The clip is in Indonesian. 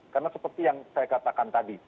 karena seperti yang saya katakan tadi